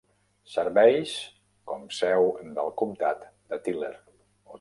Serveix com seu del comptat de Tyler.